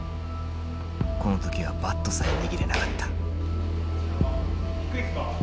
この時はバットさえ握れなかった。